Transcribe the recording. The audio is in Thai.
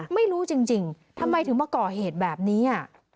ไม่รู้จริงทำไมถึงมาก่อเหตุแบบนี้